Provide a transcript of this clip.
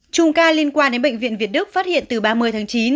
trung ca liên quan đến bệnh viện việt đức phát hiện từ ba mươi tháng chín